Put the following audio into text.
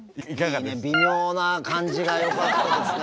いいね微妙な感じがよかったですね